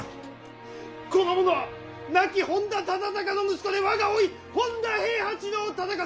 この者は亡き本多忠高の息子で我が甥本多平八郎忠勝！